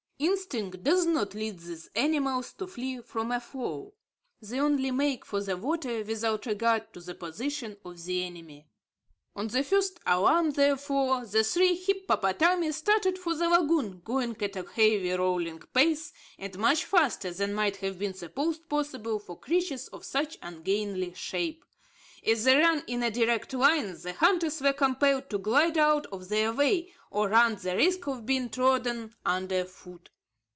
Instinct does not lead these animals to flee from a foe. They only make for the water without regard to the position of the enemy. On the first alarm, therefore, the three hippopotami started for the lagoon, going at a heavy rolling pace, and much faster than might have been supposed possible for creatures of such ungainly shape. As they ran in a direct line, the hunters were compelled to glide out of their way, or run the risk of being trodden under foot.